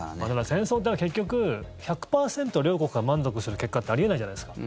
戦争って結局１００％両国が満足する結果ってあり得ないじゃないですか。